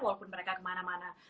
walaupun mereka kemana mana